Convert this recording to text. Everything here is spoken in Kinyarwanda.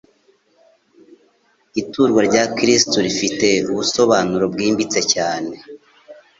Iturwa rya Kristo rifite ubusobanuro bwimbitse cyane.